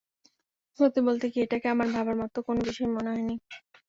সত্যি বলতে কি, এটাকে আমার ভাবার মতো কোনো বিষয়ই মনে হয়নি।